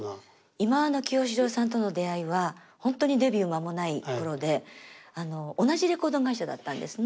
忌野清志郎さんとの出会いは本当にデビュー間もない頃で同じレコード会社だったんですね。